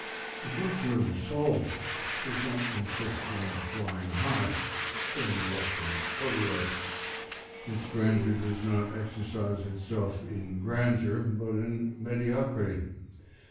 ] The virtue of the soul does not consist in flying high, but in walking orderly; its grandeur does not exercise itself in grandeur, but in mediocrity.